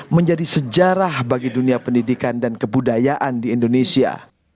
menjadi sejarah bagi dunia pendidikan dan kebudayaan di indonesia